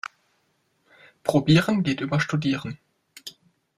Probieren geht über Studieren.